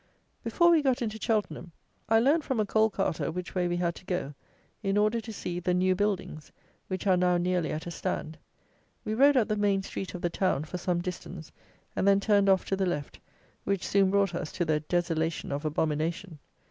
Before we got into Cheltenham, I learned from a coal carter which way we had to go, in order to see "The New Buildings," which are now nearly at a stand. We rode up the main street of the town, for some distance, and then turned off to the left, which soon brought us to the "desolation of abomination."